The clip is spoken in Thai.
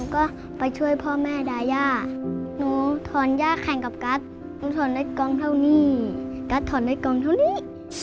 ก็ไปช่วยพ่อแม่ดาย่าหนูถอนย่าแข่งกับกัสหนูถอนด้วยกองเท่านี้กัสถอนด้วยกองเท่านี้